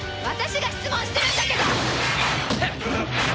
私が質問してるんだけど！